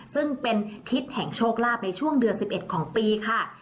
ซึ่งเป็นทิศแห่งโชคลาภในช่วงเดือน๑๑ของปีค่ะ